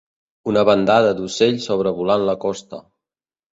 Una bandada d'ocells sobrevolant la costa.